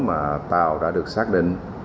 mà tàu đã được xác định